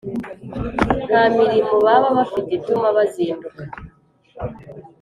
nta mirimo baba bafite ituma bazinduka